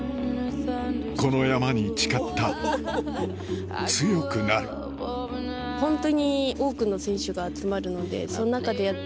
この山に誓った強くなるそれこそ。